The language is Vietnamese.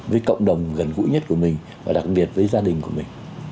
với cộng đồng gần gũi nhất của mình và đặc biệt với gia đình của mình